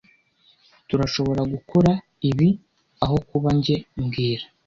Turashoboragukora ibi aho kuba njye mbwira